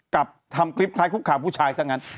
กลับทำคลิปคล้ายคุกคามผู้ชายซะงั้น